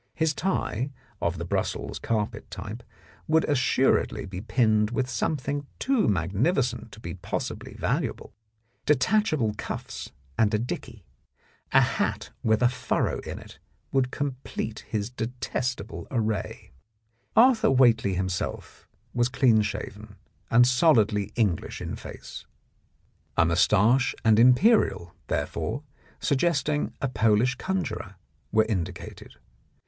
His tie, of the Brussels carpet type, would assuredly be pinned with something too magnificent to be pos sibly valuable; detachable cuffs and dicky, a hat with a furrow in it would Complete his detestable array. 44 The Blackmailer of Park Lane Arthur Whately himself was clean shaven and solidly English in face; a moustache and imperial,, there fore, suggesting a Polish conjurer were indicated.